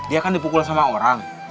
dia kan dipukul sama orang